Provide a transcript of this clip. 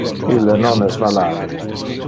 Ille non es malade.